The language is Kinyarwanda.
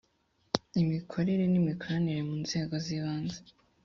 imikorere n imikoranire mu nzego z ibanze